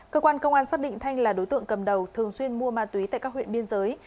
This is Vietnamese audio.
cơ quan công an xác định thanh là đối tượng cầm đầu thường xuyên mua ma túy tại các huyện biên giới